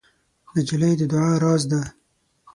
نجلۍ د دعا راز ده.